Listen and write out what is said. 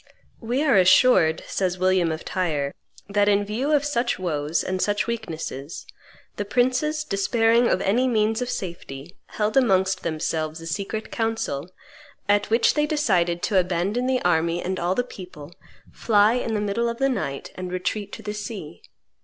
"We are assured," says William of Tyre, "that in view of such woes and such weaknesses, the princes, despairing of any means of safety, held amongst themselves a secret council, at which they decided to abandon the army and all the people, fly in the middle of the night, and retreat to the sea."